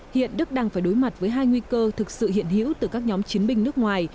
hiện đức đang phải đối mặt với hai nguy cơ thực sự hiện hữu từ các nhóm chiến binh nước ngoài